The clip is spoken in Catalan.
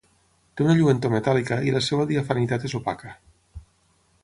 Té una lluentor metàl·lica i la seva diafanitat és opaca.